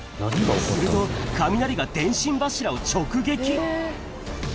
すると、雷が電信柱を直撃。